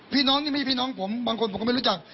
พี่น้องนี่ไม่ใช่พี่น้องผมบางคนผมก็ไม่รู้จัก